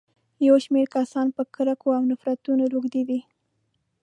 يو شمېر کسان په کرکو او نفرتونو روږدي دي.